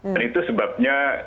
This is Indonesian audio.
dan itu sebabnya